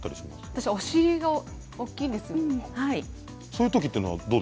私お尻が大きいんです。